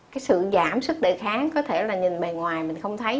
cái sự giảm sức đề kháng có thể là nhìn bề ngoài mình không thấy